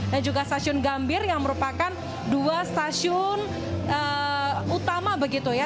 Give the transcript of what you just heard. dan juga stasiun gambir yang merupakan dua stasiun utama begitu ya